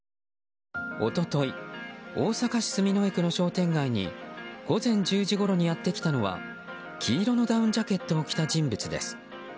一昨日、大阪市住之江区の商店街に午前１０時ごろにやってきたのは黄色のダウンジャケットを着た人物です。